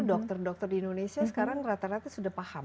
dokter dokter di indonesia sekarang rata rata sudah paham